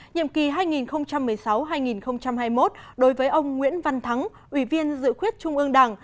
nhiệm kỳ hai nghìn một mươi sáu hai nghìn hai mươi một đối với ông nguyễn văn thắng ủy viên dự khuyết trung ương đảng